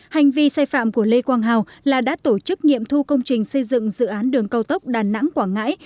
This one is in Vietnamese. hành vi sai phạm của lê quang hào là đã tổ chức nghiệm thu công trình xây dựng dự án đường cao tốc đà nẵng quảng ngãi